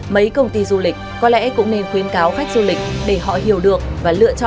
mấy công ty du lịch có lẽ cũng nên khuyến cáo khách du lịch để họ hiểu được